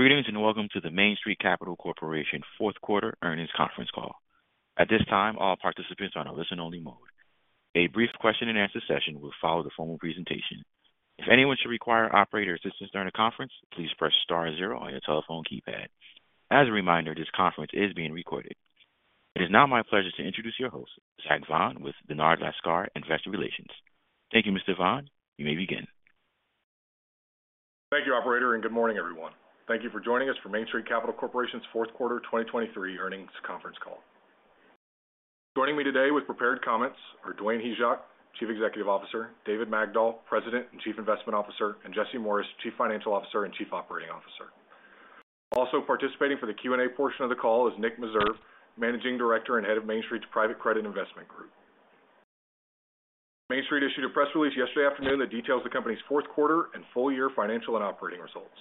Greetings, and welcome to the Main Street Capital Corporation fourth quarter earnings conference call. At this time, all participants are on a listen-only mode. A brief question-and-answer session will follow the formal presentation. If anyone should require operator assistance during the conference, please press star zero on your telephone keypad. As a reminder, this conference is being recorded. It is now my pleasure to introduce your host, Zach Vaughan, with Dennard Lascar Investor Relations. Thank you, Mr. Vaughan. You may begin. Thank you, operator, and good morning, everyone. Thank you for joining us for Main Street Capital Corporation's fourth quarter 2023 earnings conference call. Joining me today with prepared comments are Dwayne Hyzak, Chief Executive Officer, David Magdol, President and Chief Investment Officer, and Jesse Morris, Chief Financial Officer and Chief Operating Officer. Also participating for the Q&A portion of the call is Nick Meserve, Managing Director and Head of Main Street's Private Credit Investment Group. Main Street issued a press release yesterday afternoon that details the company's fourth quarter and full year financial and operating results.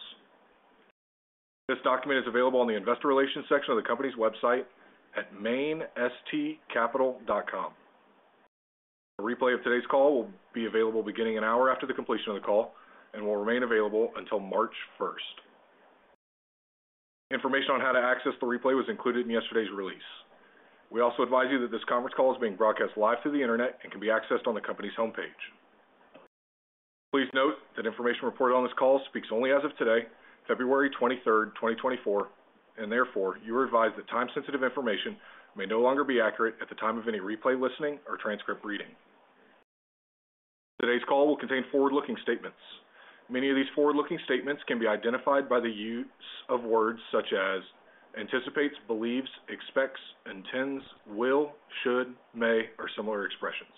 This document is available on the investor relations section of the company's website at mainstreetcapital.com. A replay of today's call will be available beginning an hour after the completion of the call and will remain available until March 1. Information on how to access the replay was included in yesterday's release. We also advise you that this conference call is being broadcast live through the internet and can be accessed on the company's homepage. Please note that information reported on this call speaks only as of today, February 23rd, 2024, and therefore, you are advised that time-sensitive information may no longer be accurate at the time of any replay, listening, or transcript reading. Today's call will contain forward-looking statements. Many of these forward-looking statements can be identified by the use of words such as anticipates, believes, expects, intends, will, should, may, or similar expressions.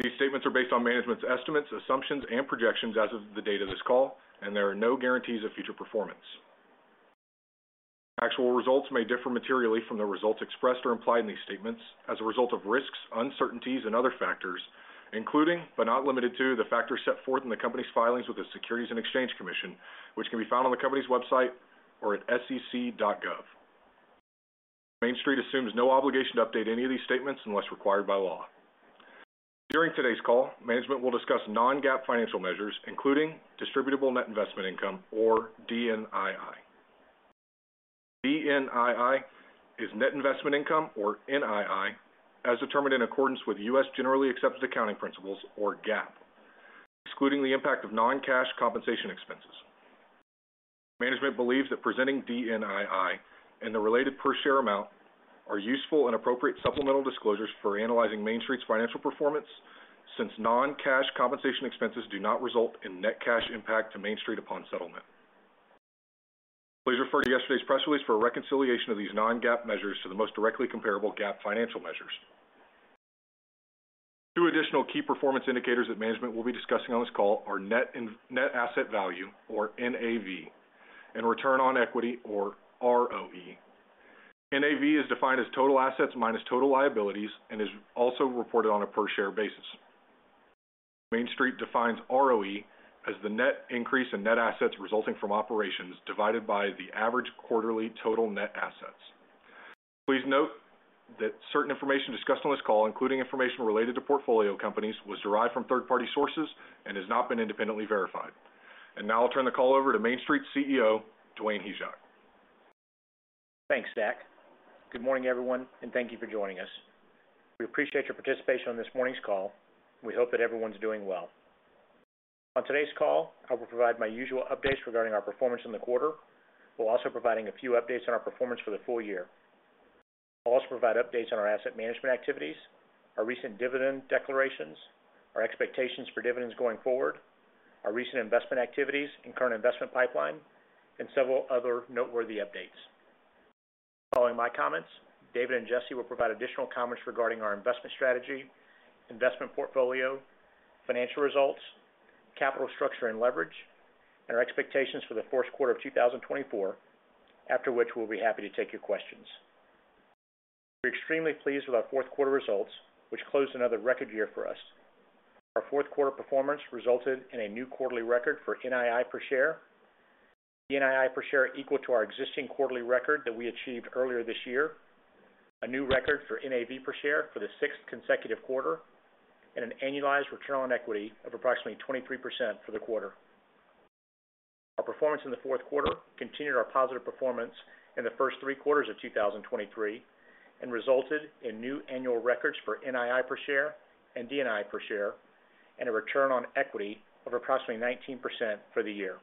These statements are based on management's estimates, assumptions, and projections as of the date of this call, and there are no guarantees of future performance. Actual results may differ materially from the results expressed or implied in these statements as a result of risks, uncertainties, and other factors, including, but not limited to, the factors set forth in the company's filings with the Securities and Exchange Commission, which can be found on the company's website or at sec.gov. Main Street assumes no obligation to update any of these statements unless required by law. During today's call, management will discuss non-GAAP financial measures, including distributable net investment income, or DNII. DNII is net investment income, or NII, as determined in accordance with U.S. Generally Accepted Accounting Principles, or GAAP, excluding the impact of non-cash compensation expenses. Management believes that presenting DNII and the related per share amount are useful and appropriate supplemental disclosures for analyzing Main Street's financial performance, since non-cash compensation expenses do not result in net cash impact to Main Street upon settlement. Please refer to yesterday's press release for a reconciliation of these non-GAAP measures to the most directly comparable GAAP financial measures. Two additional key performance indicators that management will be discussing on this call are Net Asset Value, or NAV, and Return on Equity, or ROE. NAV is defined as total assets minus total liabilities and is also reported on a per share basis. Main Street defines ROE as the net increase in net assets resulting from operations divided by the average quarterly total net assets. Please note that certain information discussed on this call, including information related to portfolio companies, was derived from third-party sources and has not been independently verified. Now I'll turn the call over to Main Street's CEO, Dwayne Hyzak. Thanks, Zach. Good morning, everyone, and thank you for joining us. We appreciate your participation on this morning's call. We hope that everyone's doing well. On today's call, I will provide my usual updates regarding our performance in the quarter, while also providing a few updates on our performance for the full year. I'll also provide updates on our asset management activities, our recent dividend declarations, our expectations for dividends going forward, our recent investment activities and current investment pipeline, and several other noteworthy updates. Following my comments, David and Jesse will provide additional comments regarding our investment strategy, investment portfolio, financial results, capital structure and leverage, and our expectations for the first quarter of 2024, after which we'll be happy to take your questions. We're extremely pleased with our fourth quarter results, which closed another record year for us. Our fourth quarter performance resulted in a new quarterly record for NII per share, equal to our existing quarterly record that we achieved earlier this year, a new record for NAV per share for the sixth consecutive quarter, and an annualized return on equity of approximately 23% for the quarter. Our performance in the fourth quarter continued our positive performance in the first three quarters of 2023 and resulted in new annual records for NII per share and DNII per share, and a return on equity of approximately 19% for the year.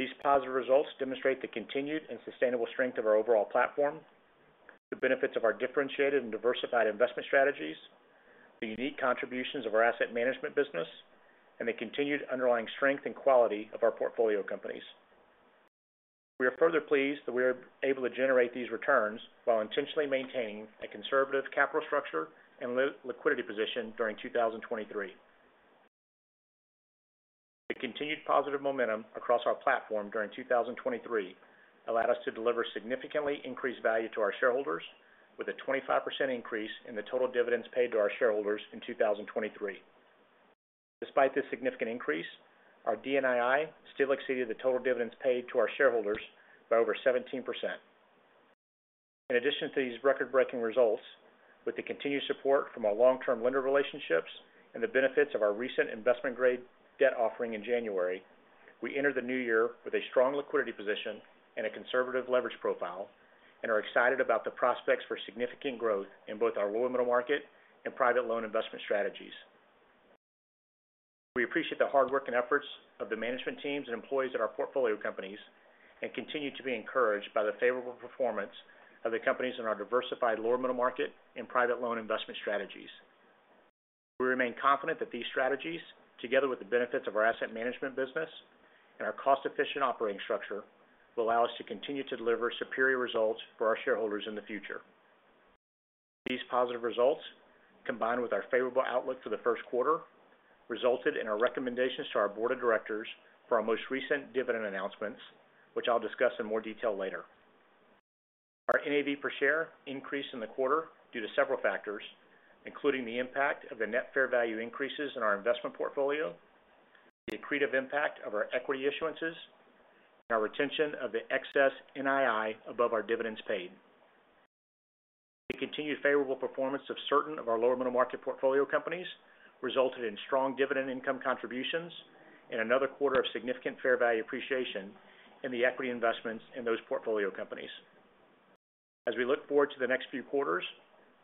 These positive results demonstrate the continued and sustainable strength of our overall platform, the benefits of our differentiated and diversified investment strategies, the unique contributions of our asset management business, and the continued underlying strength and quality of our portfolio companies. We are further pleased that we are able to generate these returns while intentionally maintaining a conservative capital structure and liquidity position during 2023. The continued positive momentum across our platform during 2023 allowed us to deliver significantly increased value to our shareholders with a 25% increase in the total dividends paid to our shareholders in 2023. Despite this significant increase, our DNII still exceeded the total dividends paid to our shareholders by over 17%. In addition to these record-breaking results, with the continued support from our long-term lender relationships and the benefits of our recent investment-grade debt offering in January, we entered the new year with a strong liquidity position and a conservative leverage profile and are excited about the prospects for significant growth in both our lower middle market and private loan investment strategies. We appreciate the hard work and efforts of the management teams and employees at our portfolio companies and continue to be encouraged by the favorable performance of the companies in our diversified Lower Middle Market and Private Loan investment strategies. We remain confident that these strategies, together with the benefits of our asset management business and our cost-efficient operating structure, will allow us to continue to deliver superior results for our shareholders in the future. These positive results, combined with our favorable outlook for the first quarter, resulted in our recommendations to our board of directors for our most recent dividend announcements, which I'll discuss in more detail later. Our NAV per share increased in the quarter due to several factors, including the impact of the net fair value increases in our investment portfolio, the accretive impact of our equity issuances, and our retention of the excess NII above our dividends paid. The continued favorable performance of certain of our lower middle market portfolio companies resulted in strong dividend income contributions and another quarter of significant fair value appreciation in the equity investments in those portfolio companies. As we look forward to the next few quarters,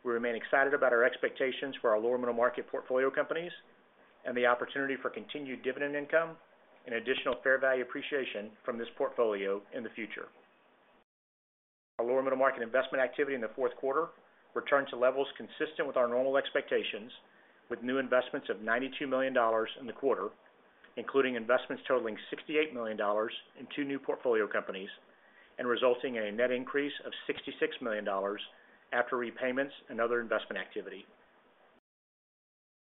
we remain excited about our expectations for our lower middle market portfolio companies and the opportunity for continued dividend income and additional fair value appreciation from this portfolio in the future. Our lower middle market investment activity in the fourth quarter returned to levels consistent with our normal expectations, with new investments of $92 million in the quarter, including investments totaling $68 million in two new portfolio companies, and resulting in a net increase of $66 million after repayments and other investment activity.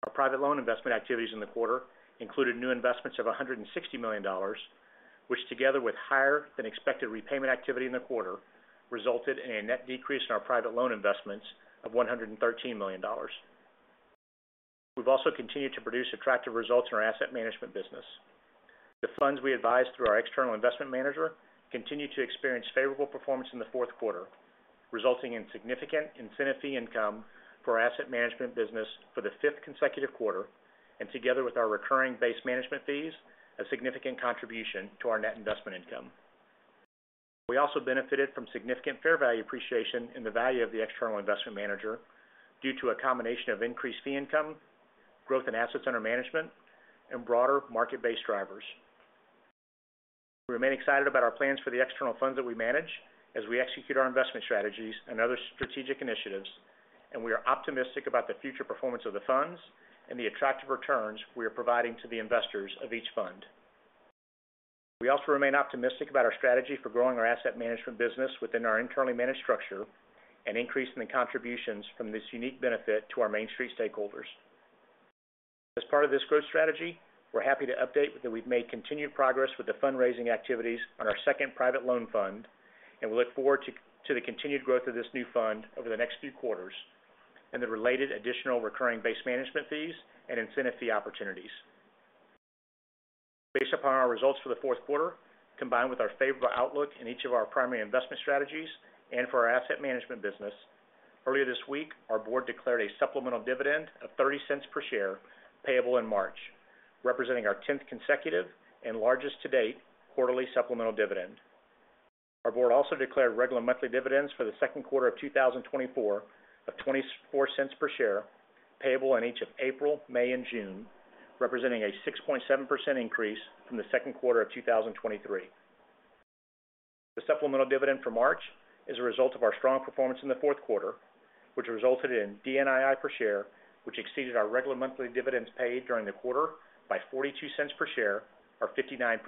Our private loan investment activities in the quarter included new investments of $160 million, which, together with higher-than-expected repayment activity in the quarter, resulted in a net decrease in our private loan investments of $113 million. We've also continued to produce attractive results in our asset management business. The funds we advise through our External Investment Manager continued to experience favorable performance in the fourth quarter, resulting in significant incentive fee income for our asset management business for the fifth consecutive quarter, and together with our recurring base management fees, a significant contribution to our net investment income. We also benefited from significant fair value appreciation in the value of the External Investment Manager due to a combination of increased fee income, growth in assets under management, and broader market-based drivers. We remain excited about our plans for the external funds that we manage as we execute our investment strategies and other strategic initiatives, and we are optimistic about the future performance of the funds and the attractive returns we are providing to the investors of each fund. We also remain optimistic about our strategy for growing our asset management business within our internally managed structure and increasing the contributions from this unique benefit to our Main Street stakeholders. As part of this growth strategy, we're happy to update that we've made continued progress with the fundraising activities on our second private loan fund, and we look forward to the continued growth of this new fund over the next few quarters and the related additional recurring base management fees and incentive fee opportunities. Based upon our results for the fourth quarter, combined with our favorable outlook in each of our primary investment strategies and for our asset management business, earlier this week, our board declared a supplemental dividend of $0.30 per share, payable in March, representing our tenth consecutive and largest to date quarterly supplemental dividend. Our board also declared regular monthly dividends for the second quarter of 2024 of $0.24 per share, payable in each of April, May, and June, representing a 6.7% increase from the second quarter of 2023. The supplemental dividend for March is a result of our strong performance in the fourth quarter, which resulted in DNII per share, which exceeded our regular monthly dividends paid during the quarter by $0.42 per share, or 59%.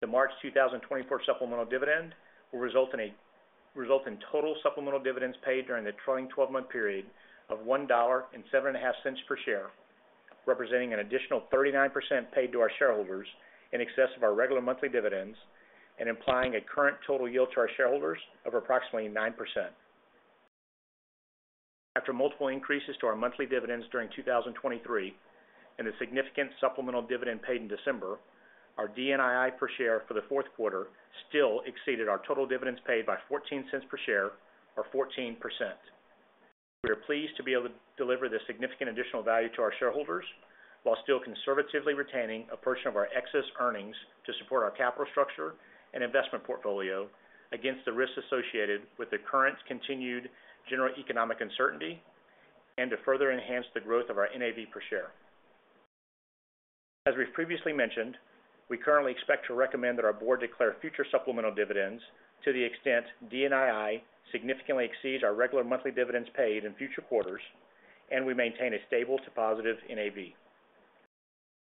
The March 2024 supplemental dividend will result in total supplemental dividends paid during the trailing twelve-month period of $1.075 per share, representing an additional 39% paid to our shareholders in excess of our regular monthly dividends and implying a current total yield to our shareholders of approximately 9%. After multiple increases to our monthly dividends during 2023 and a significant supplemental dividend paid in December, our DNII per share for the fourth quarter still exceeded our total dividends paid by $0.14 per share, or 14%. We are pleased to be able to deliver this significant additional value to our shareholders while still conservatively retaining a portion of our excess earnings to support our capital structure and investment portfolio against the risks associated with the current continued general economic uncertainty and to further enhance the growth of our NAV per share. As we've previously mentioned, we currently expect to recommend that our board declare future supplemental dividends to the extent DNII significantly exceeds our regular monthly dividends paid in future quarters, and we maintain a stable to positive NAV.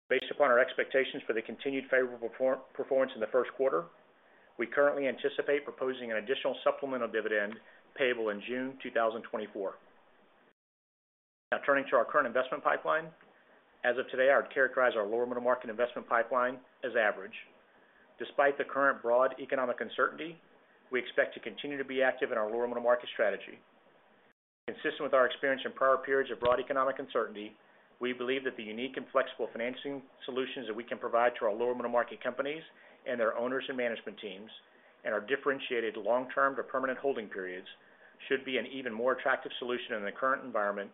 Based upon our expectations for the continued favorable performance in the first quarter, we currently anticipate proposing an additional supplemental dividend payable in June 2024. Now, turning to our current investment pipeline. As of today, I'd characterize our lower middle market investment pipeline as average. Despite the current broad economic uncertainty, we expect to continue to be active in our lower middle market strategy. Consistent with our experience in prior periods of broad economic uncertainty, we believe that the unique and flexible financing solutions that we can provide to our lower middle market companies and their owners and management teams, and our differentiated long-term to permanent holding periods, should be an even more attractive solution in the current environment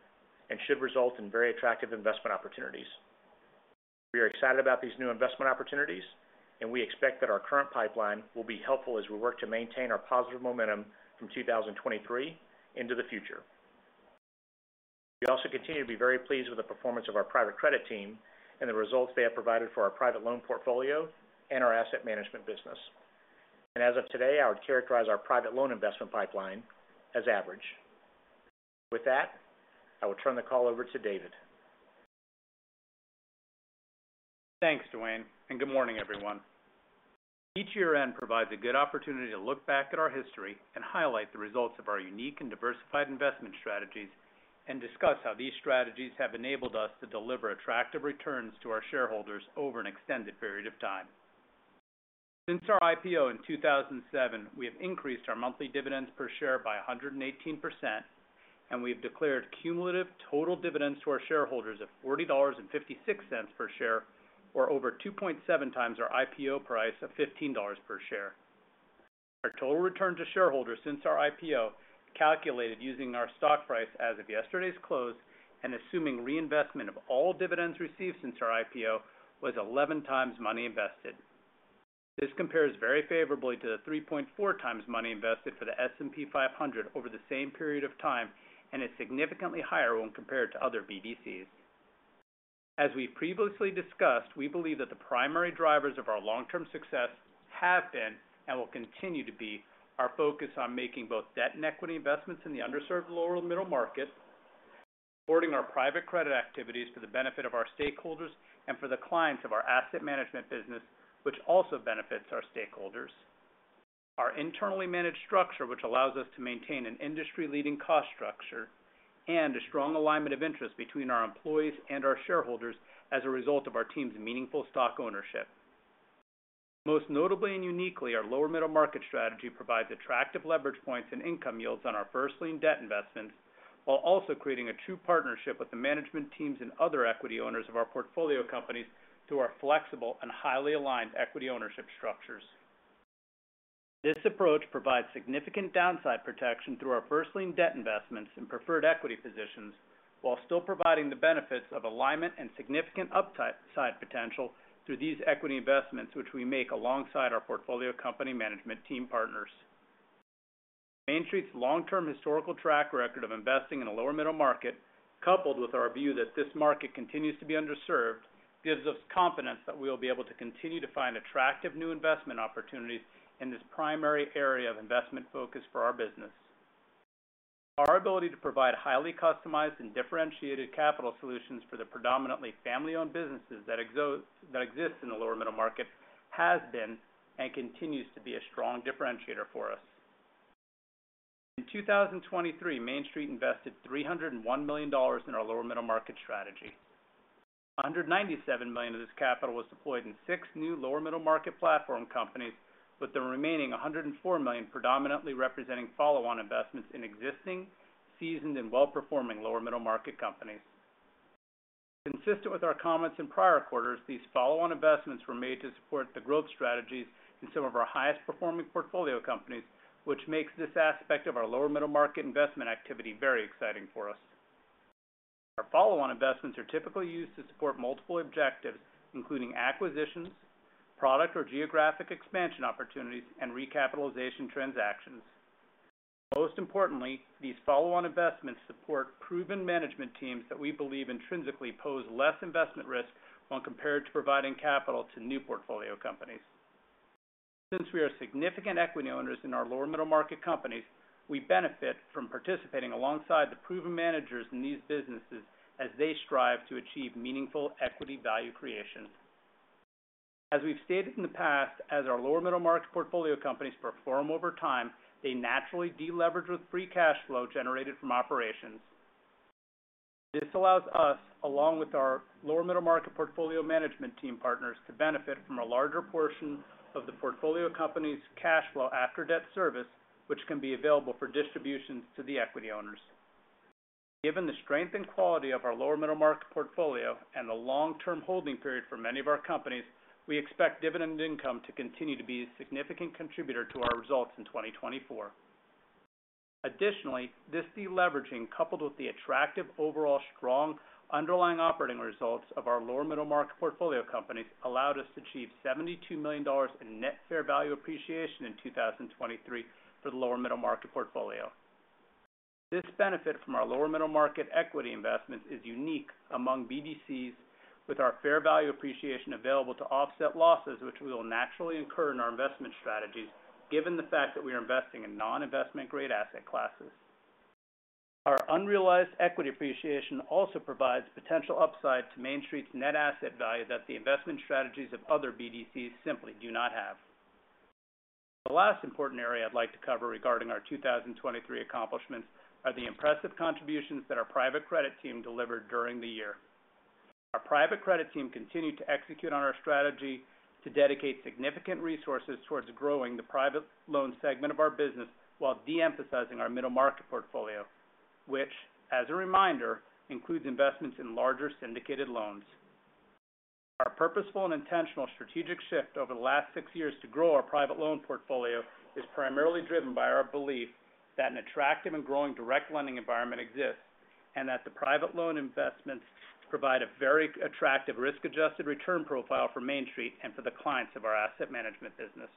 and should result in very attractive investment opportunities. We are excited about these new investment opportunities, and we expect that our current pipeline will be helpful as we work to maintain our positive momentum from 2023 into the future. We also continue to be very pleased with the performance of our private credit team and the results they have provided for our private loan portfolio and our asset management business. As of today, I would characterize our private loan investment pipeline as average. With that, I will turn the call over to David. Thanks, Dwayne, and good morning, everyone. Each year-end provides a good opportunity to look back at our history and highlight the results of our unique and diversified investment strategies and discuss how these strategies have enabled us to deliver attractive returns to our shareholders over an extended period of time. Since our IPO in 2007, we have increased our monthly dividends per share by 118%, and we've declared cumulative total dividends to our shareholders of $40.56 per share, or over 2.7x our IPO price of $15 per share. Our total return to shareholders since our IPO, calculated using our stock price as of yesterday's close and assuming reinvestment of all dividends received since our IPO, was 11x money invested. This compares very favorably to the 3.4x money invested for the S&P 500 over the same period of time and is significantly higher when compared to other BDCs. As we've previously discussed, we believe that the primary drivers of our long-term success have been, and will continue to be, our focus on making both debt and equity investments in the underserved lower middle market, supporting our private credit activities for the benefit of our stakeholders and for the clients of our asset management business, which also benefits our stakeholders. Our internally managed structure, which allows us to maintain an industry-leading cost structure and a strong alignment of interest between our employees and our shareholders as a result of our team's meaningful stock ownership. Most notably and uniquely, our lower middle market strategy provides attractive leverage points and income yields on our first lien debt investments, while also creating a true partnership with the management teams and other equity owners of our portfolio companies through our flexible and highly aligned equity ownership structures. This approach provides significant downside protection through our first lien debt investments in preferred equity positions, while still providing the benefits of alignment and significant upside potential through these equity investments, which we make alongside our portfolio company management team partners. Main Street's long-term historical track record of investing in the lower middle market, coupled with our view that this market continues to be underserved, gives us confidence that we will be able to continue to find attractive new investment opportunities in this primary area of investment focus for our business. Our ability to provide highly customized and differentiated capital solutions for the predominantly family-owned businesses that exists in the lower middle market has been and continues to be a strong differentiator for us. In 2023, Main Street invested $301 million in our lower middle market strategy. $197 million of this capital was deployed in six new lower middle market platform companies, with the remaining $104 million predominantly representing follow-on investments in existing, seasoned, and well-performing lower middle market companies. Consistent with our comments in prior quarters, these follow-on investments were made to support the growth strategies in some of our highest-performing portfolio companies, which makes this aspect of our lower middle market investment activity very exciting for us. Our follow-on investments are typically used to support multiple objectives, including acquisitions, product or geographic expansion opportunities, and recapitalization transactions. Most importantly, these follow-on investments support proven management teams that we believe intrinsically pose less investment risk when compared to providing capital to new portfolio companies. Since we are significant equity owners in our lower middle market companies, we benefit from participating alongside the proven managers in these businesses as they strive to achieve meaningful equity value creation. As we've stated in the past, as our lower middle market portfolio companies perform over time, they naturally deleverage with free cash flow generated from operations. This allows us, along with our lower middle market portfolio management team partners, to benefit from a larger portion of the portfolio company's cash flow after debt service, which can be available for distributions to the equity owners. Given the strength and quality of our lower middle market portfolio and the long-term holding period for many of our companies, we expect dividend income to continue to be a significant contributor to our results in 2024. Additionally, this deleveraging, coupled with the attractive overall strong underlying operating results of our lower middle market portfolio companies, allowed us to achieve $72 million in net fair value appreciation in 2023 for the lower middle market portfolio. This benefit from our lower middle market equity investments is unique among BDCs, with our fair value appreciation available to offset losses which we will naturally incur in our investment strategies, given the fact that we are investing in non-investment grade asset classes. Our unrealized equity appreciation also provides potential upside to Main Street's net asset value that the investment strategies of other BDCs simply do not have. The last important area I'd like to cover regarding our 2023 accomplishments are the impressive contributions that our private credit team delivered during the year... Our private credit team continued to execute on our strategy to dedicate significant resources towards growing the private loan segment of our business, while de-emphasizing our middle-market portfolio, which, as a reminder, includes investments in larger syndicated loans. Our purposeful and intentional strategic shift over the last six years to grow our private loan portfolio is primarily driven by our belief that an attractive and growing direct lending environment exists, and that the private loan investments provide a very attractive risk-adjusted return profile for Main Street and for the clients of our asset management business.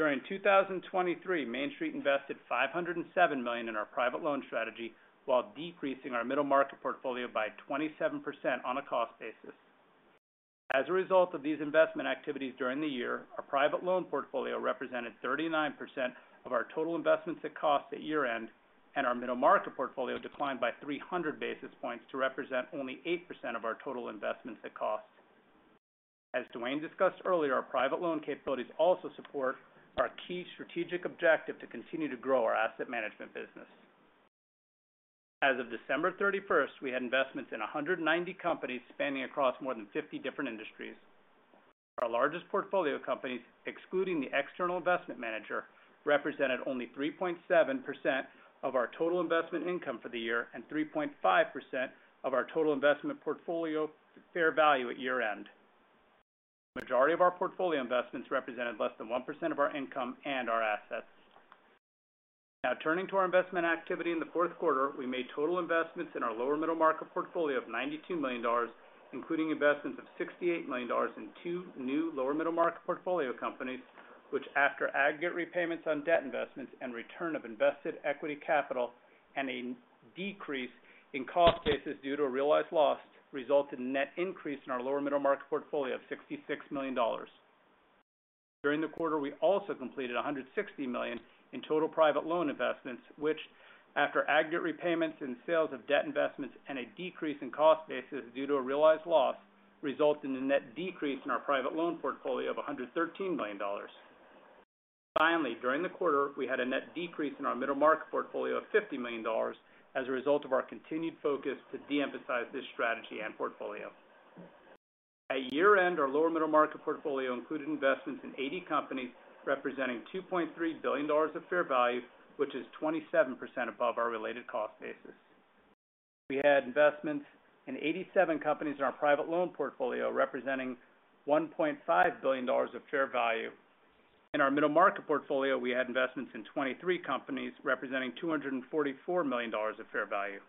During 2023, Main Street invested $507 million in our private loan strategy while decreasing our middle-market portfolio by 27% on a cost basis. As a result of these investment activities during the year, our private loan portfolio represented 39% of our total investments at cost at year-end, and our middle-market portfolio declined by 300 basis points to represent only 8% of our total investments at cost. As Dwayne discussed earlier, our private loan capabilities also support our key strategic objective to continue to grow our asset management business. As of December 31, we had investments in 190 companies spanning across more than 50 different industries. Our largest portfolio companies, excluding the External Investment Manager, represented only 3.7% of our total investment income for the year and 3.5% of our total investment portfolio fair value at year-end. Majority of our portfolio investments represented less than 1% of our income and our assets. Now, turning to our investment activity in the fourth quarter, we made total investments in our lower middle-market portfolio of $92 million, including investments of $68 million in 2 new lower middle-market portfolio companies, which, after aggregate repayments on debt investments and return of invested equity capital and a decrease in cost basis due to a realized loss, resulted in net increase in our lower middle-market portfolio of $66 million. During the quarter, we also completed $160 million in total private loan investments, which, after aggregate repayments and sales of debt investments and a decrease in cost basis due to a realized loss, resulted in a net decrease in our private loan portfolio of $113 million. Finally, during the quarter, we had a net decrease in our middle-market portfolio of $50 million as a result of our continued focus to de-emphasize this strategy and portfolio. At year-end, our lower middle-market portfolio included investments in 80 companies, representing $2.3 billion of fair value, which is 27% above our related cost basis. We had investments in 87 companies in our private loan portfolio, representing $1.5 billion of fair value. In our Middle Market portfolio, we had investments in 23 companies, representing $244 million of fair value.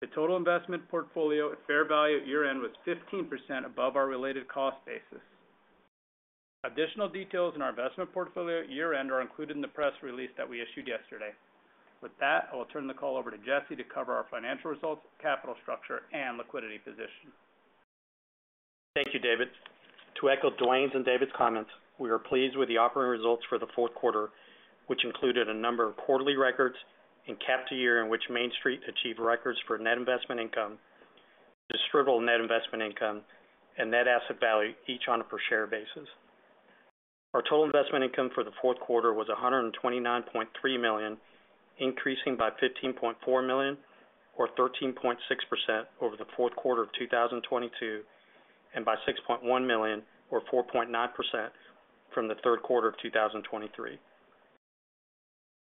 The total investment portfolio at fair value at year-end was 15% above our related cost basis. Additional details in our investment portfolio at year-end are included in the press release that we issued yesterday. With that, I will turn the call over to Jesse to cover our financial results, capital structure, and liquidity position. Thank you, David. To echo Dwayne's and David's comments, we are pleased with the operating results for the fourth quarter, which included a number of quarterly records and capped a year in which Main Street achieved records for net investment income, distributable net investment income, and net asset value, each on a per-share basis. Our total investment income for the fourth quarter was $129.3 million, increasing by $15.4 million, or 13.6% over the fourth quarter of 2022, and by $6.1 million, or 4.9% from the third quarter of 2023.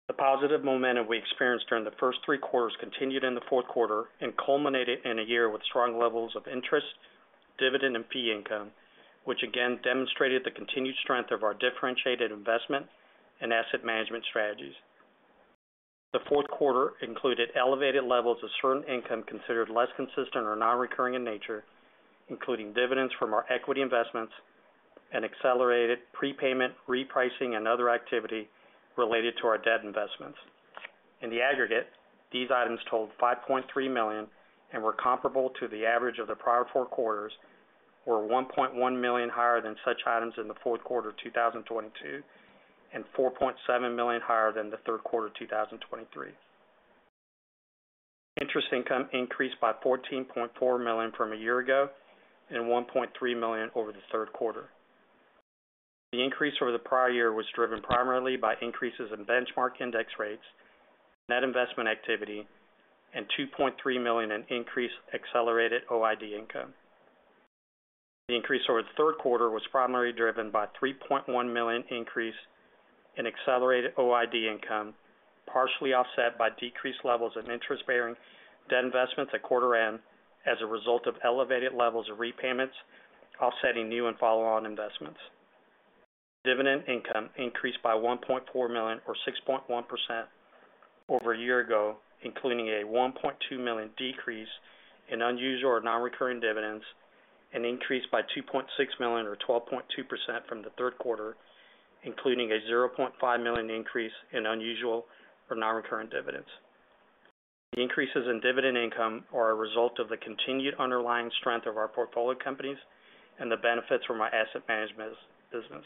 The positive momentum we experienced during the first three quarters continued in the fourth quarter and culminated in a year with strong levels of interest, dividend, and fee income, which again demonstrated the continued strength of our differentiated investment and asset management strategies. The fourth quarter included elevated levels of certain income considered less consistent or non-recurring in nature, including dividends from our equity investments and accelerated prepayment, repricing, and other activity related to our debt investments. In the aggregate, these items totaled $5.3 million and were comparable to the average of the prior four quarters, or $1.1 million higher than such items in the fourth quarter of 2022, and $4.7 million higher than the third quarter of 2023. Interest income increased by $14.4 million from a year ago and $1.3 million over the third quarter. The increase over the prior year was driven primarily by increases in benchmark index rates, net investment activity, and $2.3 million in increased accelerated OID income. The increase over the third quarter was primarily driven by three point one million increase in accelerated OID income, partially offset by decreased levels of interest-bearing debt investments at quarter end as a result of elevated levels of repayments, offsetting new and follow-on investments. Dividend income increased by $1.4 million, or 6.1% over a year ago, including a $1.2 million decrease in unusual or non-recurring dividends, and increased by $2.6 million, or 12.2% from the third quarter, including a $0.5 million increase in unusual or non-recurring dividends. The increases in dividend income are a result of the continued underlying strength of our portfolio companies and the benefits from our asset management business.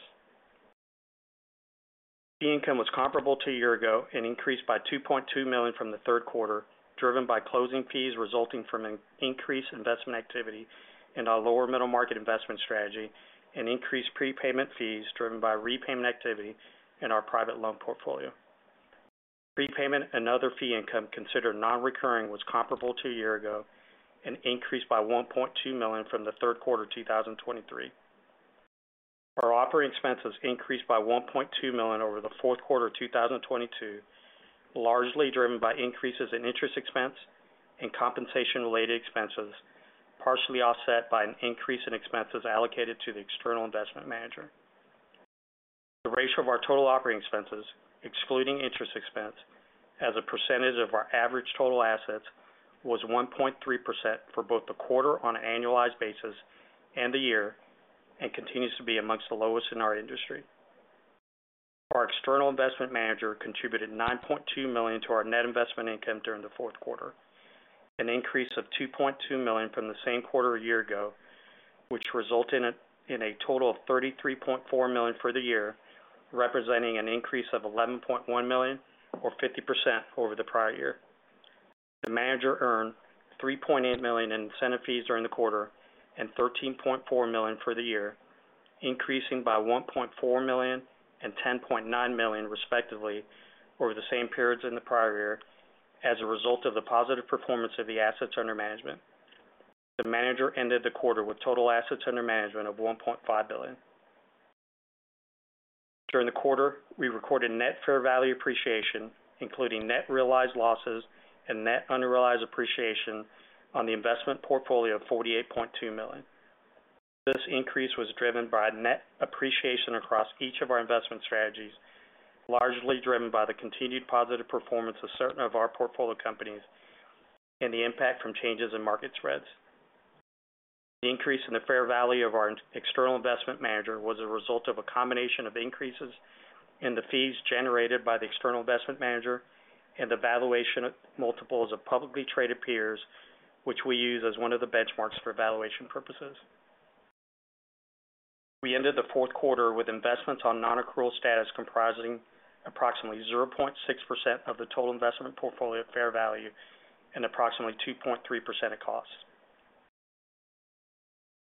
Fee income was comparable to a year ago and increased by $2.2 million from the third quarter, driven by closing fees resulting from an increased investment activity in our lower middle-market investment strategy and increased prepayment fees driven by repayment activity in our private loan portfolio. Prepayment and other fee income considered non-recurring was comparable to a year ago and increased by $1.2 million from the third quarter 2023. Our operating expenses increased by $1.2 million over the fourth quarter of 2022, largely driven by increases in interest expense and compensation-related expenses, partially offset by an increase in expenses allocated to the External Investment Manager. The ratio of our total operating expenses, excluding interest expense, as a percentage of our average total assets, was 1.3% for both the quarter on an annualized basis and the year, and continues to be among the lowest in our industry. Our External Investment Manager contributed $9.2 million to our net investment income during the fourth quarter, an increase of $2.2 million from the same quarter a year ago, which resulted in a total of $33.4 million for the year, representing an increase of $11.1 million, or 50% over the prior year. The manager earned $3.8 million in incentive fees during the quarter and $13.4 million for the year, increasing by $1.4 million and $10.9 million, respectively, over the same periods in the prior year as a result of the positive performance of the assets under management. The manager ended the quarter with total assets under management of $1.5 billion. During the quarter, we recorded net fair value appreciation, including net realized losses and net unrealized appreciation on the investment portfolio of $48.2 million. This increase was driven by a net appreciation across each of our investment strategies, largely driven by the continued positive performance of certain of our portfolio companies and the impact from changes in market spreads. The increase in the fair value of our External Investment Manager was a result of a combination of increases in the fees generated by the External Investment Manager and the valuation of multiples of publicly traded peers, which we use as one of the benchmarks for valuation purposes. We ended the fourth quarter with investments on non-accrual status, comprising approximately 0.6% of the total investment portfolio fair value and approximately 2.3% of costs.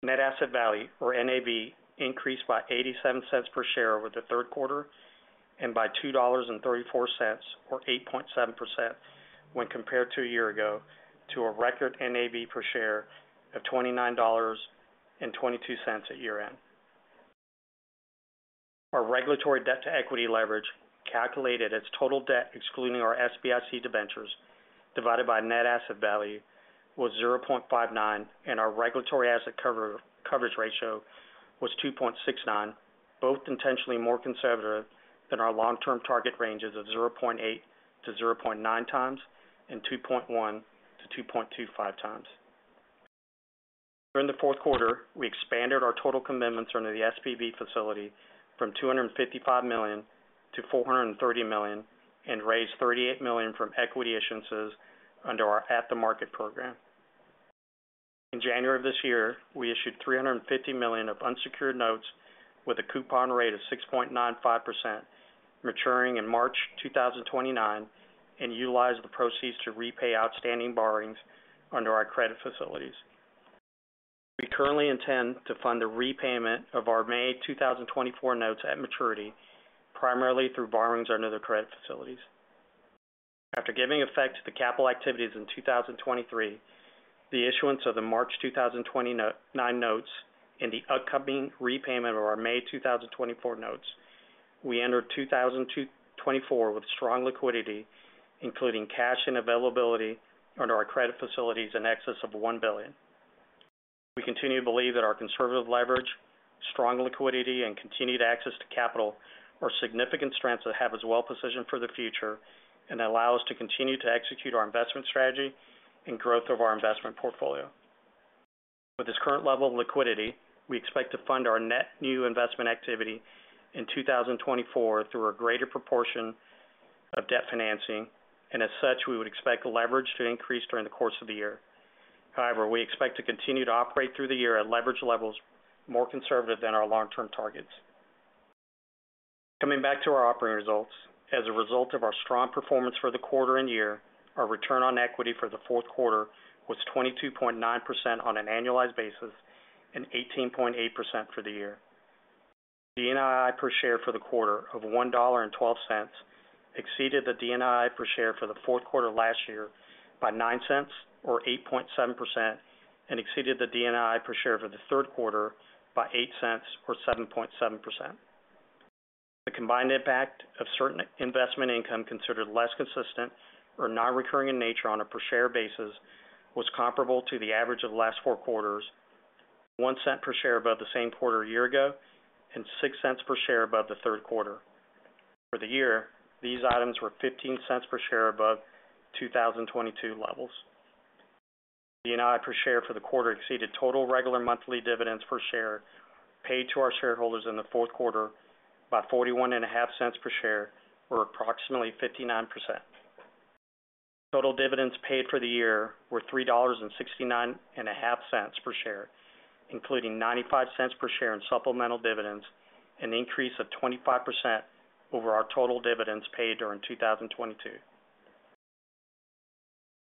Net asset value, or NAV, increased by $0.87 per share over the third quarter and by $2.34, or 8.7%, when compared to a year ago, to a record NAV per share of $29.22 at year-end. Our regulatory debt-to-equity leverage, calculated as total debt, excluding our SBIC debentures divided by net asset value, was 0.59, and our regulatory asset coverage ratio was 2.69, both intentionally more conservative than our long-term target ranges of 0.8x-0.9x and 2.1x-2.25x. During the fourth quarter, we expanded our total commitments under the SPV facility from $255 million to $430 million and raised $38 million from equity issuances under our at-the-market program. In January of this year, we issued $350 million of unsecured notes with a coupon rate of 6.95%, maturing in March 2029, and utilized the proceeds to repay outstanding borrowings under our credit facilities. We currently intend to fund the repayment of our May 2024 notes at maturity, primarily through borrowings under the credit facilities. After giving effect to the capital activities in 2023, the issuance of the March 2029 notes and the upcoming repayment of our May 2024 notes, we entered 2024 with strong liquidity, including cash and availability under our credit facilities in excess of $1 billion. We continue to believe that our conservative leverage, strong liquidity and continued access to capital are significant strengths that have us well-positioned for the future and allow us to continue to execute our investment strategy and growth of our investment portfolio. With this current level of liquidity, we expect to fund our net new investment activity in 2024 through a greater proportion of debt financing, and as such, we would expect leverage to increase during the course of the year. However, we expect to continue to operate through the year at leverage levels more conservative than our long-term targets. Coming back to our operating results. As a result of our strong performance for the quarter and year, our return on equity for the fourth quarter was 22.9% on an annualized basis and 18.8% for the year. DNII per share for the quarter of $1.12 exceeded the DNII per share for the fourth quarter last year by $0.09, or 8.7%, and exceeded the DNII per share for the third quarter by $0.08, or 7.7%. The combined impact of certain investment income considered less consistent or non-recurring in nature on a per-share basis was comparable to the average of the last four quarters, $0.01 per share above the same quarter a year ago, and $0.06 per share above the third quarter. For the year, these items were $0.15 per share above 2022 levels. DNII per share for the quarter exceeded total regular monthly dividends per share paid to our shareholders in the fourth quarter by $0.415 per share, or approximately 59%. Total dividends paid for the year were $3.695 per share, including $0.95 per share in supplemental dividends, an increase of 25% over our total dividends paid during 2022.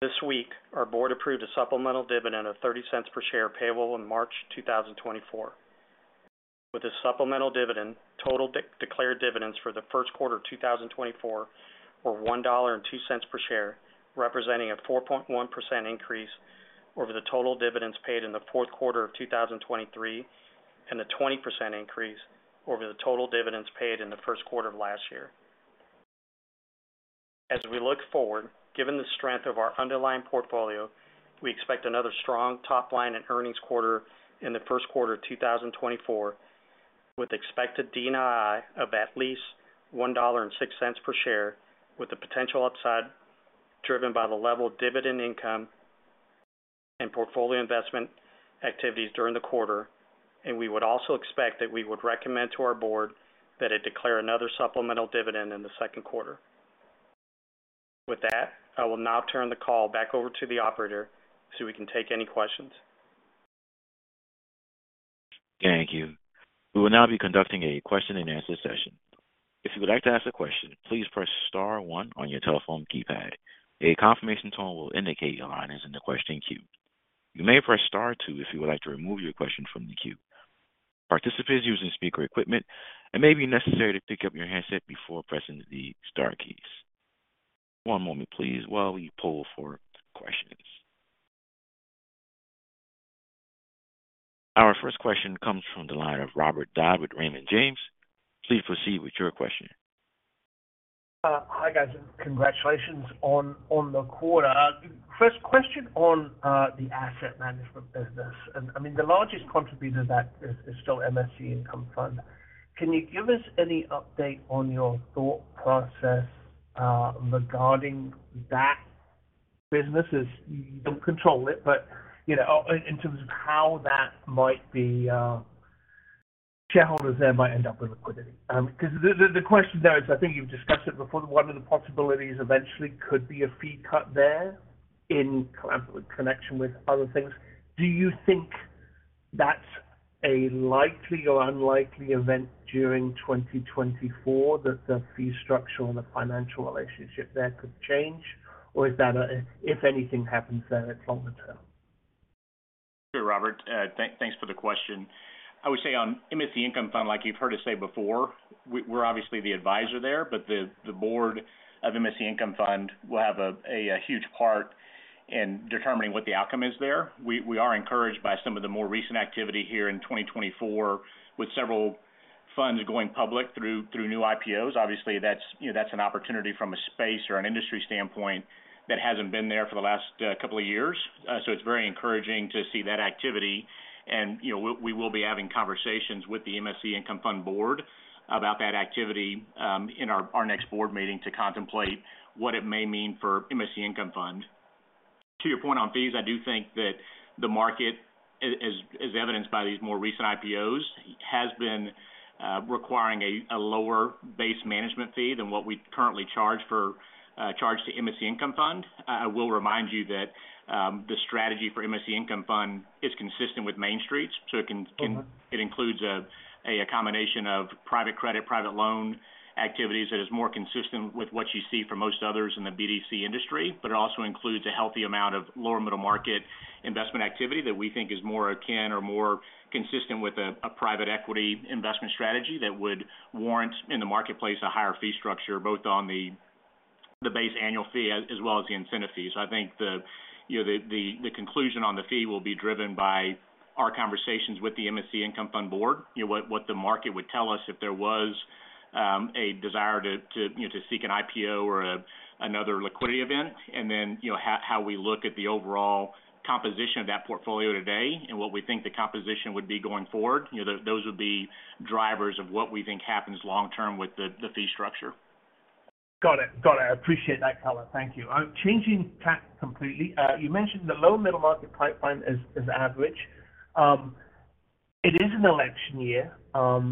This week, our board approved a supplemental dividend of $0.30 per share, payable in March 2024. With a supplemental dividend, total declared dividends for the first quarter of 2024 were $1.02 per share, representing a 4.1% increase over the total dividends paid in the fourth quarter of 2023, and a 20% increase over the total dividends paid in the first quarter of last year. As we look forward, given the strength of our underlying portfolio, we expect another strong top line and earnings quarter in the first quarter of 2024, with expected DNII of at least $1.06 per share, with the potential upside driven by the level of dividend income and portfolio investment activities during the quarter. We would also expect that we would recommend to our board that it declare another supplemental dividend in the second quarter. With that, I will now turn the call back over to the operator, so we can take any questions. Thank you. We will now be conducting a Q&A session. If you would like to ask a question, please press star one on your telephone keypad. A confirmation tone will indicate your line is in the question queue. You may press star two if you would like to remove your question from the queue. Participants using speaker equipment, it may be necessary to pick up your handset before pressing the star keys. One moment, please, while we poll for questions. Our first question comes from the line of Robert Dodd with Raymond James. Please proceed with your question. Hi, guys, and congratulations on the quarter. First question on the asset management business, and I mean, the largest contributor to that is still MSC Income Fund. Can you give us any update on your thought process regarding that business? As you don't control it, but, you know, in terms of how that might be, shareholders there might end up with liquidity. Because the question there is, I think you've discussed it before, one of the possibilities eventually could be a fee cut there in connection with other things. Do you think that's a likely or unlikely event during 2024, that the fee structure and the financial relationship there could change? Or is that, if anything happens there, it's longer term? Sure, Robert, thanks for the question. I would say on MSC Income Fund, like you've heard us say before, we're obviously the advisor there, but the board of MSC Income Fund will have a huge part in determining what the outcome is there. We are encouraged by some of the more recent activity here in 2024, with several funds going public through new IPOs. Obviously, that's, you know, that's an opportunity from a space or an industry standpoint that hasn't been there for the last couple of years. So, it's very encouraging to see that activity. And, you know, we will be having conversations with the MSC Income Fund board about that activity in our next board meeting to contemplate what it may mean for MSC Income Fund. To your point on fees, I do think that the market, as evidenced by these more recent IPOs, has been requiring a lower base management fee than what we currently charge to MSC Income Fund. I will remind you that the strategy for MSC Income Fund is consistent with Main Street's, so it can- Mm-hmm. It includes a combination of private credit, private loan activities that is more consistent with what you see from most others in the BDC industry, but it also includes a healthy amount of lower middle market investment activity that we think is more akin or more consistent with a private equity investment strategy that would warrant, in the marketplace, a higher fee structure, both on the base annual fee as well as the incentive fees. So I think the, you know, the conclusion on the fee will be driven by our conversations with the MSC Income Fund board. You know, what the market would tell us if there was a desire to you know, to seek an IPO or another liquidity event, and then, you know, how we look at the overall composition of that portfolio today and what we think the composition would be going forward. You know, those would be drivers of what we think happens long term with the fee structure. Got it. Got it. I appreciate that color. Thank you. I'm changing tack completely. You mentioned the low-middle market pipeline is average. It is an election year.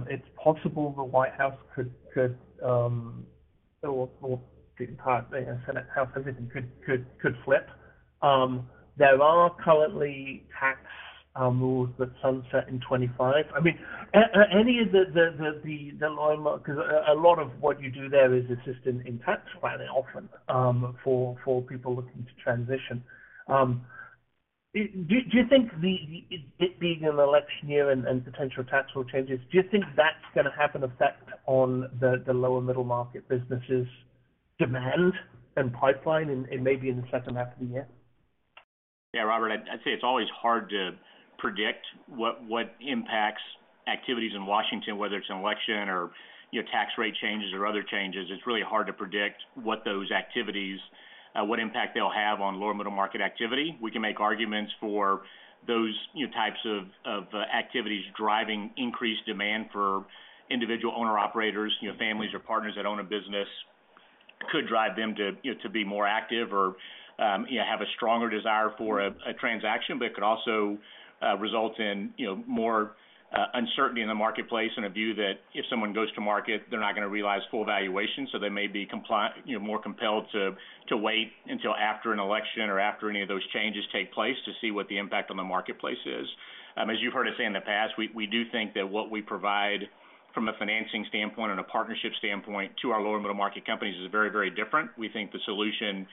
It's possible the White House could or, in part, the Senate House could flip. There are currently tax rules that sunset in 2025. I mean, because a lot of what you do there is assist in tax planning, often for people looking to transition. Do you think it being an election year and potential tax law changes, do you think that's going to have an effect on the lower middle market businesses' demand and pipeline and maybe in the second half of the year? Yeah, Robert, I'd say it's always hard to predict what impacts activities in Washington, whether it's an election or, you know, tax rate changes or other changes. It's really hard to predict what those activities, what impact they'll have on lower middle market activity. We can make arguments for those, you know, types of activities driving increased demand for individual owner-operators, you know, families or partners that own a business, could drive them to, you know, to be more active or, you know, have a stronger desire for a transaction, but it could also result in, you know, more uncertainty in the marketplace and a view that if someone goes to market, they're not going to realize full valuation, so they may be, you know, more compelled to wait until after an election or after any of those changes take place to see what the impact on the marketplace is. As you've heard us say in the past, we do think that what we provide from a financing standpoint and a partnership standpoint to our lower middle market companies is very, very different. We think the solution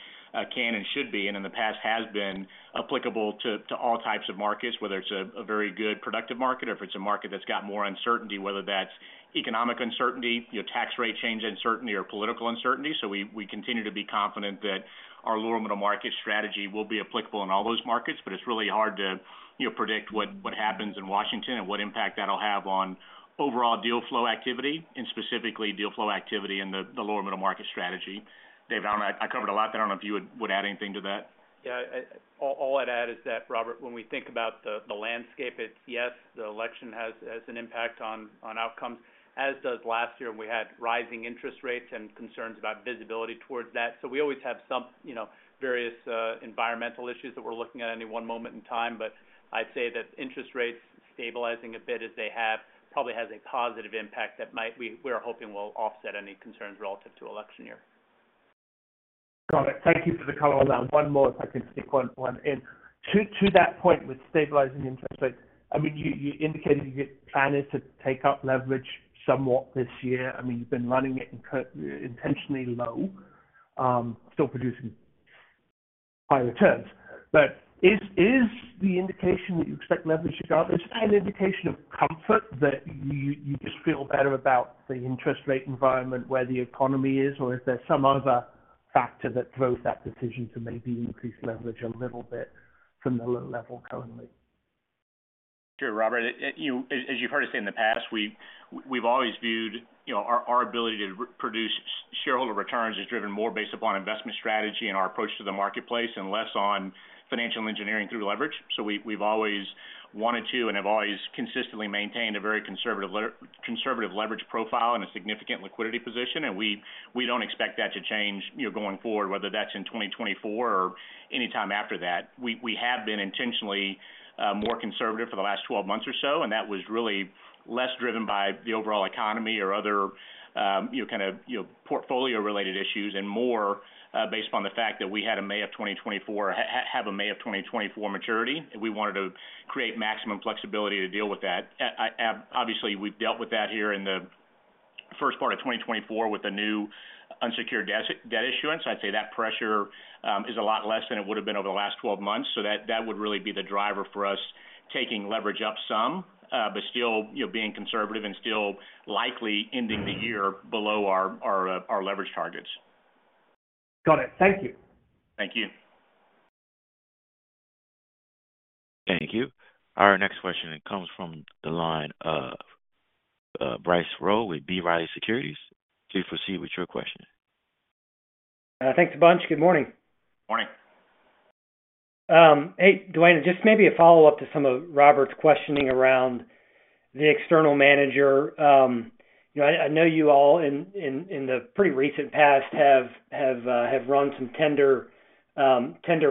can and should be, and in the past has been applicable to all types of markets, whether it's a very good, productive market, or if it's a market that's got more uncertainty, whether that's economic uncertainty, you know, tax rate change uncertainty, or political uncertainty. So, we continue to be confident that our lower middle market strategy will be applicable in all those markets, but it's really hard to, you know, predict what happens in Washington and what impact that'll have on overall deal flow activity, and specifically deal flow activity in the lower middle market strategy. Dave, I don't know. I covered a lot there. I don't know if you would add anything to that. Yeah, all I'd add is that, Robert, when we think about the landscape, it's yes, the election has an impact on outcomes, as does last year, we had rising interest rates and concerns about visibility towards that. So we always have some, you know, various environmental issues that we're looking at any one moment in time. But I'd say that interest rates stabilizing a bit, as they have, probably has a positive impact that might—we're hoping will offset any concerns relative to election year. Got it. Thank you for the color on that. One more, if I could stick one in. To that point, with stabilizing interest rates, I mean, you indicated you're planning to take up leverage somewhat this year. I mean, you've been running it intentionally low, still producing high returns. But is the indication that you expect leverage to go up, is that an indication of comfort that you just feel better about the interest rate environment, where the economy is, or is there some other factor that drove that decision to maybe increase leverage a little bit from the low level currently? Sure, Robert, you as you've heard us say in the past, we've always viewed, you know, our ability to reproduce shareholder returns as driven more based upon investment strategy and our approach to the marketplace, and less on financial engineering through leverage. So we've always wanted to and have always consistently maintained a very conservative leverage profile and a significant liquidity position, and we don't expect that to change, you know, going forward, whether that's in 2024 or any time after that. We have been intentionally more conservative for the last 12 months or so, and that was really less driven by the overall economy or other, you know, kind of, you know, portfolio-related issues, and more based on the fact that we had a May 2024 maturity, and we wanted to create maximum flexibility to deal with that. Obviously, we've dealt with that here in the first part of 2024 with the new unsecured debt issuance. I'd say that pressure is a lot less than it would have been over the last 12 months, so that would really be the driver for us, taking leverage up some, but still, you know, being conservative and still likely ending the year below our leverage targets. Got it. Thank you. Thank you. Thank you. Our next question comes from the line of Bryce Rowe with B. Riley Securities. Please proceed with your question. Thanks a bunch. Good morning. Morning. Hey, Dwayne, just maybe a follow-up to some of Robert's questioning around the External Manager. You know, I know you all in the pretty recent past have run some tender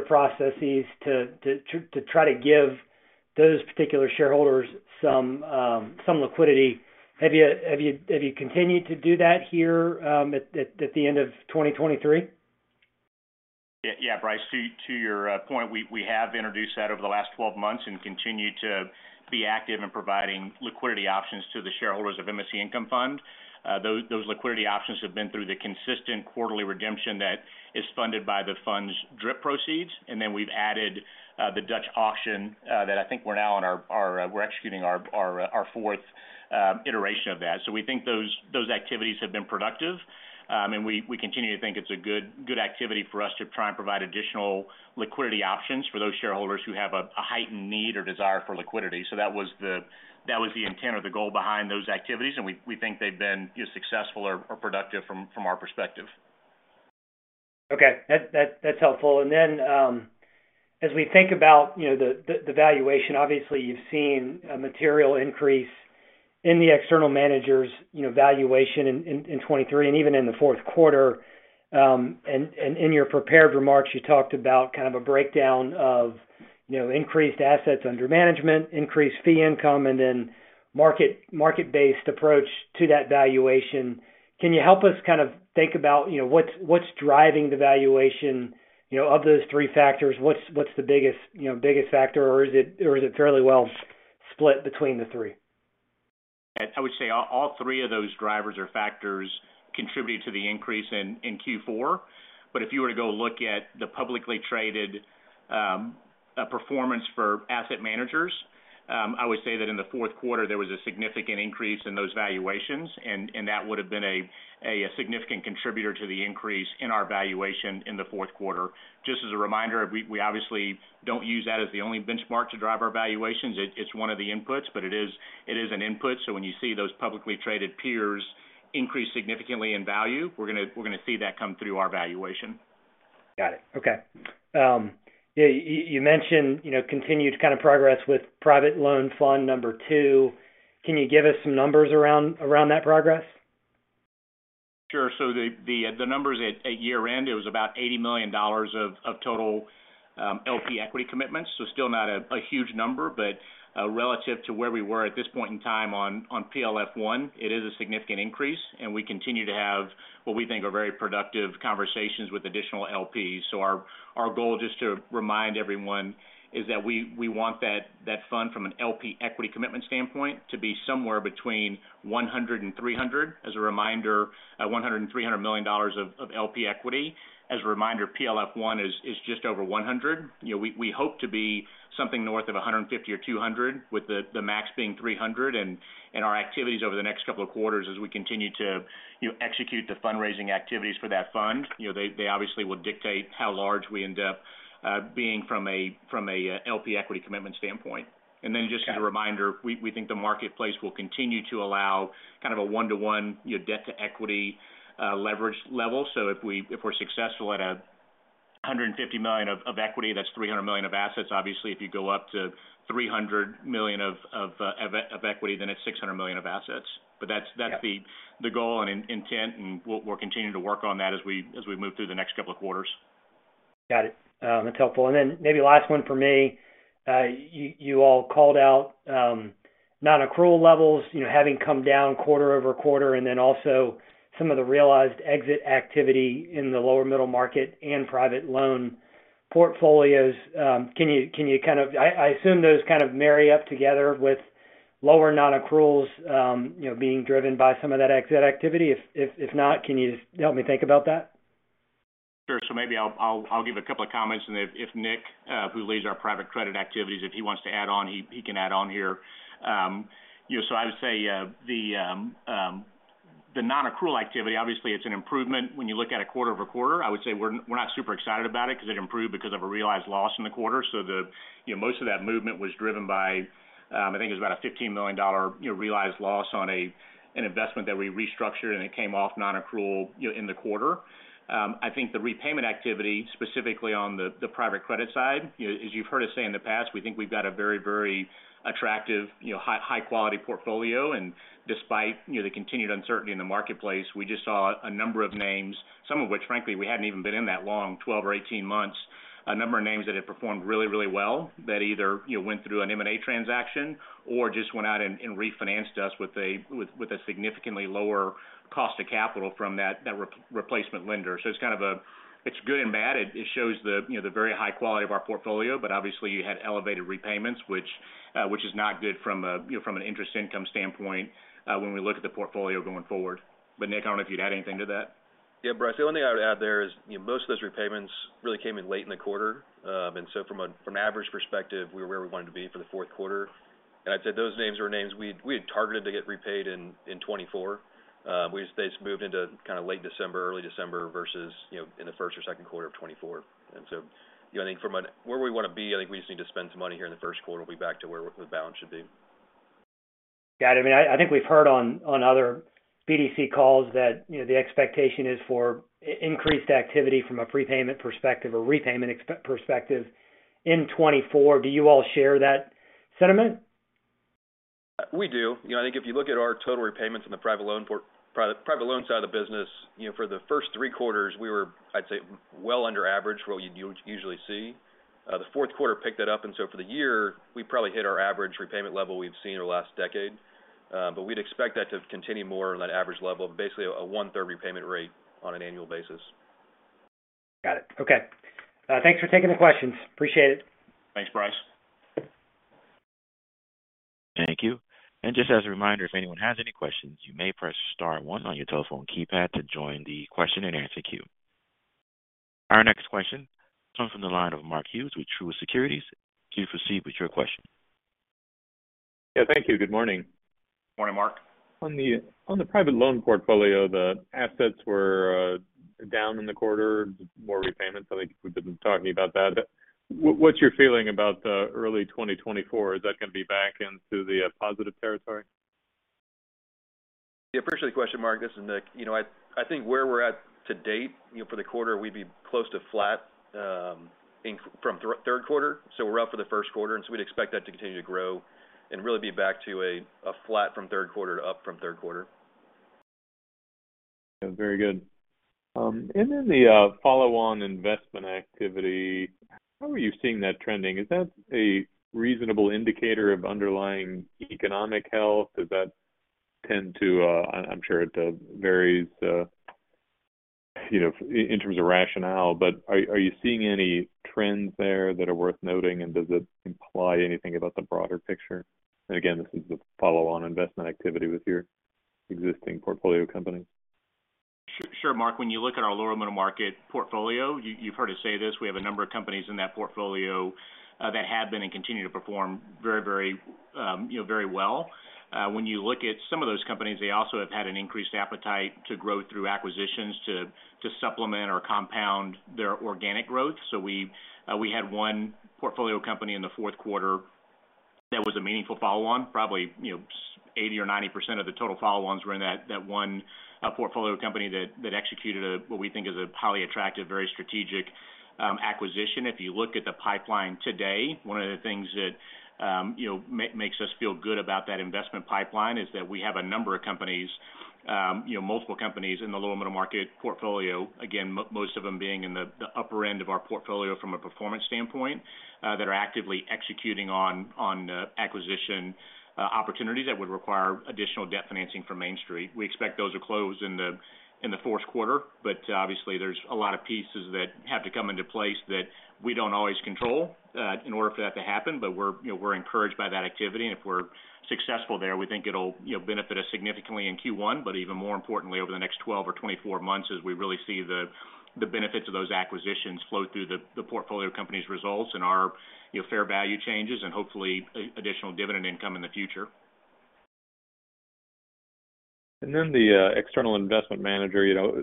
processes to try to give those particular shareholders some liquidity. Have you continued to do that here at the end of 2023? Yeah, yeah, Bryce, to your point, we have introduced that over the last 12 months and continued to be active in providing liquidity options to the shareholders of MSC Income Fund. Those liquidity options have been through the consistent quarterly redemption that is funded by the fund's DRIP proceeds, and then we've added the Dutch auction that I think we're now executing our fourth iteration of that. So, we think those activities have been productive. And we continue to think it's a good, good activity for us to try and provide additional liquidity options for those shareholders who have a heightened need or desire for liquidity. So that was the intent or the goal behind those activities, and we think they've been, you know, successful or productive from our perspective. Okay, that's helpful. And then, as we think about, you know, the valuation, obviously you've seen a material increase in the External Manager's, you know, valuation in 2023, and even in the fourth quarter. And in your prepared remarks, you talked about kind of a breakdown of, you know, increased assets under management, increased fee income, and then market-based approach to that valuation. Can you help us kind of think about, you know, what's driving the valuation? You know, of those three factors, what's the biggest factor, or is it fairly well split between the three? I would say all, all three of those drivers or factors contributed to the increase in, in Q4. But if you were to go look at the publicly traded performance for asset managers, I would say that in the fourth quarter, there was a significant increase in those valuations, and, and that would have been a, a significant contributor to the increase in our valuation in the fourth quarter. Just as a reminder, we, we obviously don't use that as the only benchmark to drive our valuations. It's one of the inputs, but it is, it is an input. So, when you see those publicly traded peers increase significantly in value, we're gonna, we're gonna see that come through our valuation. Got it. Okay. Yeah, you mentioned, you know, continued kind of progress with Private Loan Fund II. Can you give us some numbers around that progress? Sure. So, the numbers at year-end, it was about $80 million of total LP equity commitments. So still not a huge number, but relative to where we were at this point in time on PLF I, it is a significant increase, and we continue to have what we think are very productive conversations with additional LPs. So, our goal, just to remind everyone, is that we want that fund from an LP equity commitment standpoint, to be somewhere between $100 and $300. As a reminder, $100 and $300 million of LP equity. As a reminder, PLF I is just over $100. You know, we hope to be something north of $150 or $200, with the max being $300. Our activities over the next couple of quarters as we continue to, you know, execute the fundraising activities for that fund, you know, they obviously will dictate how large we end up being from a LP equity commitment standpoint. And then just as a reminder, we think the marketplace will continue to allow kind of a one-to-one, you know, debt-to-equity leverage level. So, if we're successful at $150 million of equity, that's $300 million of assets. Obviously, if you go up to $300 million of equity, then it's $600 million of assets. But that's- Yeah -that's the goal and intent, and we'll continue to work on that as we move through the next couple of quarters. Got it. That's helpful. And then maybe last one for me. You all called out non-accrual levels, you know, having come down quarter-over-quarter, and then also some of the realized exit activity in the lower middle market and private loan portfolios. Can you kind of... I assume that kind of marry up together with lower non-accruals, you know, being driven by some of that exit activity. If not, can you help me think about that? Sure. So maybe I'll give a couple of comments, and if Nick, who leads our private credit activities, if he wants to add on, he can add on here. You know, so I would say the non-accrual activity, obviously it's an improvement when you look at its quarter-over-quarter. I would say we're not super excited about it because it improved because of a realized loss in the quarter. So, you know, most of that movement was driven by, I think it was about a $15 million, you know, realized loss on an investment that we restructured, and it came off non-accrual, you know, in the quarter. I think the repayment activity, specifically on the private credit side, you know, as you've heard us say in the past, we think we've got a very, very attractive, you know, high, high-quality portfolio. And despite, you know, the continued uncertainty in the marketplace, we just saw a number of names, some of which, frankly, we hadn't even been in that long, 12 or 18 months, a number of names that had performed really, really well, that either, you know, went through an M&A transaction or just went out and refinanced us with a significantly lower cost of capital from that replacement lender. So, it's kind of good and bad. It shows the, you know, the very high quality of our portfolio, but obviously, you had elevated repayments, which is not good from, you know, from an interest income standpoint, when we look at the portfolio going forward. But, Nick, I don't know if you'd add anything to that. Yeah, Bryce, the only thing I would add there is, you know, most of those repayments really came in late in the quarter. And so, from a, from an average perspective, we were where we wanted to be for the fourth quarter. And I'd say those names were names we'd, we had targeted to get repaid in, in 2024. We just-- they moved into kind of late December, early December, versus, you know, in the first or second quarter of 2024. And so, you know, I think from a where we want to be, I think we just need to spend some money here in the first quarter, we'll be back to where the balance should be. Got it. I mean, I think we've heard on other BDC calls that, you know, the expectation is for increased activity from a prepayment perspective or repayment perspective in 2024. Do you all share that sentiment? We do. You know, I think if you look at our total repayments in the private loan side of the business, you know, for the first three quarters, we were, I'd say, well under average, what you'd usually see. The fourth quarter picked it up, and so for the year, we probably hit our average repayment level we've seen over the last decade. But we'd expect that to continue more on that average level of basically a one-third repayment rate on an annual basis. Got it. Okay. Thanks for taking the questions. Appreciate it. Thanks, Bryce. Thank you. Just as a reminder, if anyone has any questions, you may press star one on your telephone keypad to join the question-and-answer queue. Our next question comes from the line of Mark Hughes with Truist Securities. Please proceed with your question. Yeah, thank you. Good morning. Morning, Mark. On the private loan portfolio, the assets were down in the quarter, more repayments. I think we've been talking about that. But what's your feeling about early 2024? Is that going to be back into the positive territory? Yeah, appreciate the question, Mark. This is Nick. You know, I, I think where we're at to date, you know, for the quarter, we'd be close to flat from third quarter, so we're up for the first quarter, and so we'd expect that to continue to grow and really be back to a, a flat from third quarter to up from third quarter. Yeah, very good. And then the follow-on investment activity, how are you seeing that trending? Is that a reasonable indicator of underlying economic health? Does that tend to... I'm sure it varies, you know, in terms of rationale, but are you seeing any trends there that are worth noting, and does it imply anything about the broader picture? And again, this is the follow-on investment activity with your existing portfolio companies. Sure, Mark. When you look at our lower middle market portfolio, you've heard us say this, we have a number of companies in that portfolio that have been and continue to perform very, very, you know, very well. When you look at some of those companies, they also have had an increased appetite to grow through acquisitions to supplement or compound their organic growth. So we had one portfolio company in the fourth quarter that was a meaningful follow-on. Probably, you know, 80%-90% of the total follow-ons were in that one portfolio company that executed a, what we think is a highly attractive, very strategic acquisition. If you look at the pipeline today, one of the things that, you know, makes us feel good about that investment pipeline is that we have a number of companies, you know, multiple companies in the lower middle market portfolio. Again, most of them being in the upper end of our portfolio from a performance standpoint, that are actively executing on acquisition opportunities that would require additional debt financing from Main Street. We expect those to close in the fourth quarter, but obviously, there's a lot of pieces that have to come into place that we don't always control, in order for that to happen. But we're, you know, we're encouraged by that activity, and if we're successful there, we think it'll, you know, benefit us significantly in Q1. But even more importantly, over the next 12 or 24 months, as we really see the benefits of those acquisitions flow through the portfolio of companies' results and our, you know, fair value changes and hopefully, additional dividend income in the future. Then the External Investment Manager, you know,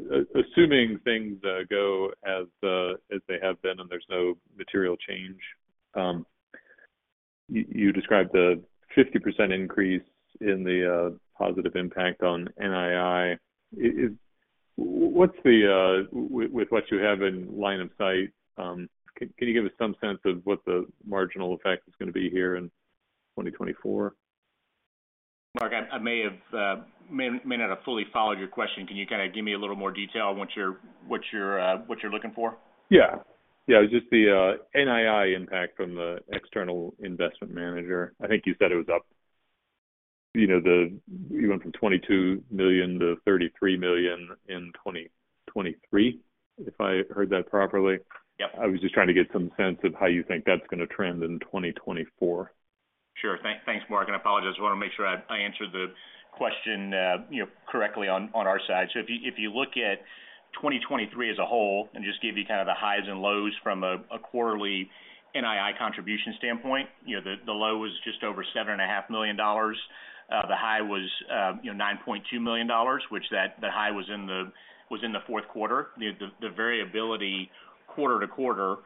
assuming things go as they have been and there's no material change, you described the 50% increase in the positive impact on NII. What's the with what you have in line of sight, can you give us some sense of what the marginal effect is going to be here in 2024? Mark, I may not have fully followed your question. Can you kind of give me a little more detail on what you're looking for? Yeah. Yeah, just the NII impact from the External Investment Manager. I think you said it was up, you know, the—you went from $22 million to $33 million in 2023, if I heard that properly. Yep. I was just trying to get some sense of how you think that's going to trend in 2024. Sure. Thanks, Mark, and I apologize. I want to make sure I answered the question, you know, correctly on our side. So if you look at 2023 as a whole, and just give you kind of the highs and lows from a quarterly NII contribution standpoint, you know, the low was just over $7.5 million. The high was, you know, $9.2 million, which, the high was in the fourth quarter. The variability quarter to quarter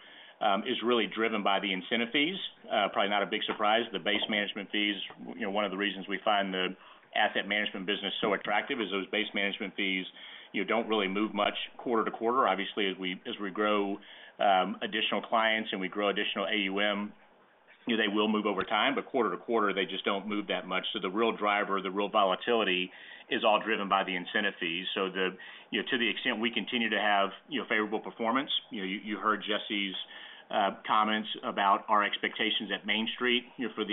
is really driven by the incentive fees. Probably not a big surprise. The base management fees, you know, one of the reasons we find the asset management business so attractive is those base management fees, you know, don't really move much quarter to quarter. Obviously, as we, as we grow additional clients and we grow additional AUM, you know, they will move over time, but quarter to quarter, they just don't move that much. So the real driver, the real volatility is all driven by the incentive fees. So the... You know, to the extent we continue to have, you know, favorable performance, you know, you, you heard Jesse's comments about our expectations at Main Street, you know, for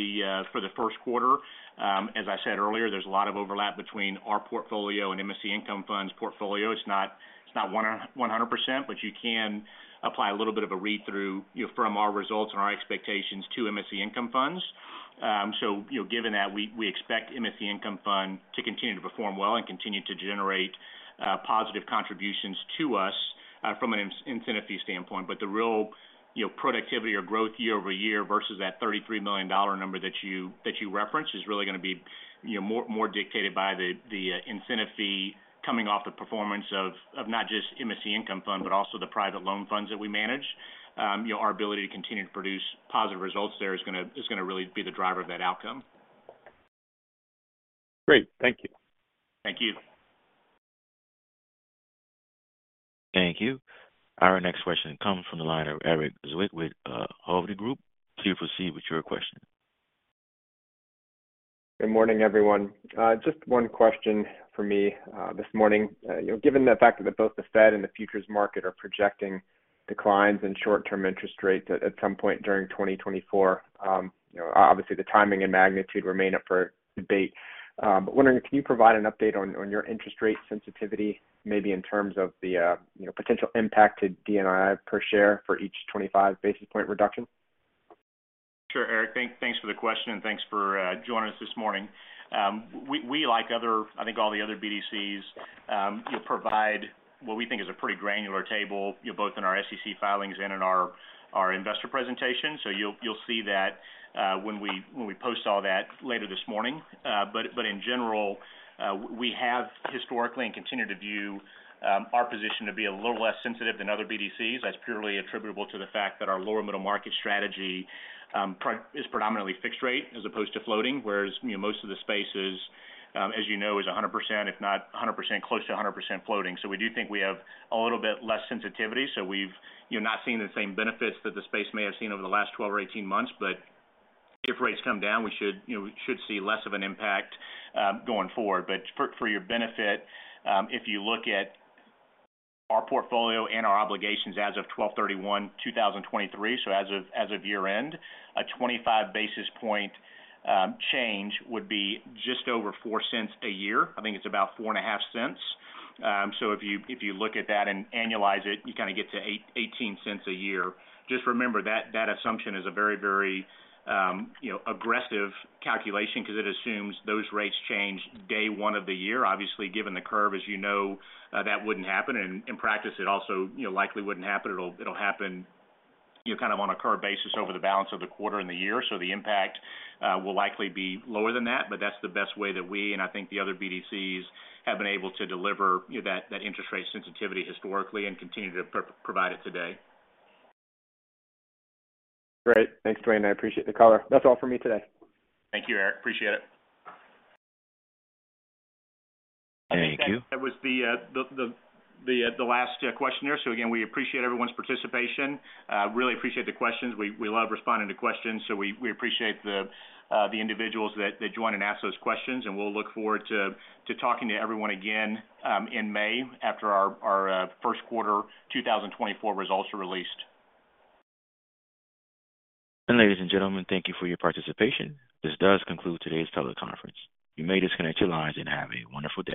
the first quarter. As I said earlier, there's a lot of overlap between our portfolio and MSC Income Fund's portfolio. It's not, it's not one one hundred percent, but you can apply a little bit of a read-through, you know, from our results and our expectations to MSC Income Fund. So, you know, given that, we, we expect MSC Income Fund to continue to perform well and continue to generate positive contributions to us from an incentive fee standpoint. But the real, you know, productivity or growth year-over-year versus that $33 million number that you, that you referenced, is really going to be, you know, more, more dictated by the, the incentive fee coming off the performance of not just MSC Income Fund, but also the private loan funds that we manage. You know, our ability to continue to produce positive results there is gonna, is gonna really be the driver of that outcome. Great. Thank you. Thank you. Thank you. Our next question comes from the line of Erik Zwick with, Hovde Group. Please proceed with your question. Good morning, everyone. Just one question for me this morning. You know, given the fact that both the Fed and the futures market are projecting declines in short-term interest rates at some point during 2024, you know, obviously, the timing and magnitude remain up for debate. But wondering, can you provide an update on your interest rate sensitivity, maybe in terms of the, you know, potential impact to DNII per share for each 25 basis point reduction? Sure, Erik. Thanks for the question, and thanks for joining us this morning. We, like other—I think all the other BDCs, provide what we think is a pretty granular table, you know, both in our SEC filings and in our investor presentation. So you'll see that when we post all that later this morning. But in general, we have historically and continue to view our position to be a little less sensitive than other BDCs. That's purely attributable to the fact that our lower middle market strategy primarily is predominantly fixed rate as opposed to floating, whereas, you know, most of the space is, as you know, 100%, if not 100%, close to 100% floating. So, we do think we have a little bit less sensitivity. So, we've, you know, not seen the same benefits that the space may have seen over the last 12 or 18 months, but if rates come down, we should, you know, we should see less of an impact going forward. But for, for your benefit, if you look at our portfolio and our obligations as of December 31, 2023, so as of, as of year-end, a 25-basis point change would be just over $0.04 a year. I think it's about $0.045. So, if you, if you look at that and annualize it, you kind of get to $0.18 a year. Just remember, that, that assumption is a very, very, you know, aggressive calculation because it assumes those rates change day one of the year. Obviously, given the curve, as you know, that wouldn't happen, and in practice, it also, you know, likely wouldn't happen. It'll happen, you know, kind of on a curve basis over the balance of the quarter and the year. So, the impact will likely be lower than that, but that's the best way that we, and I think the other BDCs, have been able to deliver, you know, that interest rate sensitivity historically and continue to provide it today. Great. Thanks, Dwayne. I appreciate the color. That's all for me today. Thank you, Erik. Appreciate it. Thank you. That was the last questioner. So again, we appreciate everyone's participation. Really appreciate the questions. We love responding to questions, so we appreciate the individuals that joined and asked those questions, and we'll look forward to talking to everyone again in May, after our first quarter 2024 results are released. Ladies and gentlemen, thank you for your participation. This does conclude today's teleconference. You may disconnect your lines and have a wonderful day.